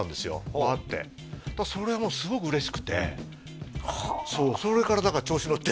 うわってそれがもうすごく嬉しくてそうそれからだから調子のって